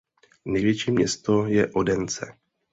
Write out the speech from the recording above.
Největší město je Odense.